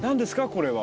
これは。